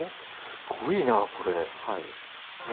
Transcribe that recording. すごいなこれ。